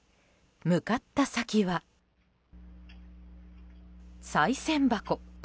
向かった先は、さい銭箱。